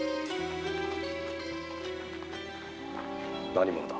何者だ？